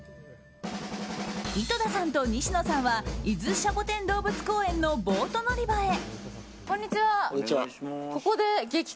井戸田さんと西野さんは伊豆シャボテン動物公園のボート乗り場へ。